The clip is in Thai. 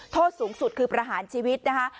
โทษสูงสุดคือประหารชีวิตนะคะ